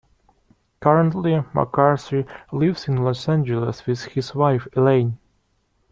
Currently, McCarthy lives in Los Angeles with his wife Elaine.